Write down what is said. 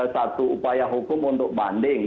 satu upaya hukum untuk banding